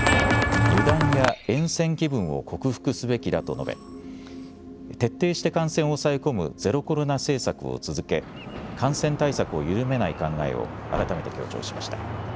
油断やえん戦気分を克服すべきだと述べ徹底して感染を抑え込むゼロコロナ政策を続け感染対策を緩めない考えを改めて強調しました。